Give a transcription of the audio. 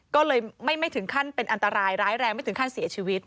ก็เลยไม่ถึงขั้นเป็นอันตรายร้ายแรงไม่ถึงขั้นเสียชีวิต